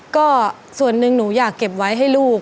ก็ส่วนหนึ่งหนูอยากเก็บไว้ให้ลูก